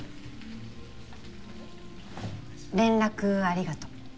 連絡ありがと。